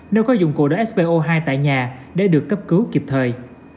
nếu có dụng cụ để spo hai tại nhà để được cấp cứu kịp thời